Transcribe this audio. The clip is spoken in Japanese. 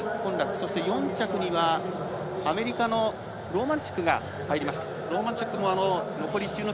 そして４着にはアメリカのローマンチャックが入りました。